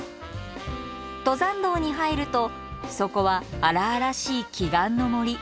登山道に入るとそこは荒々しい奇岩の森。